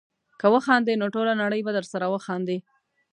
که وخاندې نو ټوله نړۍ به درسره وخاندي.